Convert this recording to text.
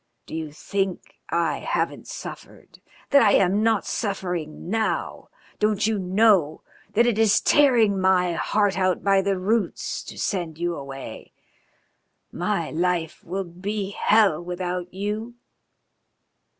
Do you think I haven't suffered, that I'm not suffering now? Don't you know that it is tearing my heart out by the roots to send you away? My life will be hell without you.